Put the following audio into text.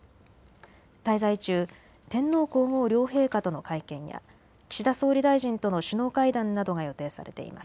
滞在中、天皇皇后両陛下との会見や岸田総理大臣との首脳会談などが予定されています。